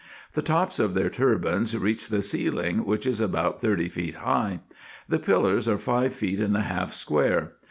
The tops of their turbans reach the ceiling, winch is about thirty feet high : the pillars are five feet and a half square.